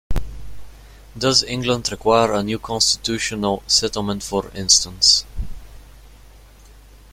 Does England require a new constitutional settlement for instance?